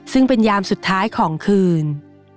ซึ่งเป็นยามสุดท้ายของคืน